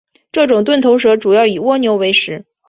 这种钝头蛇主要以蜗牛为食。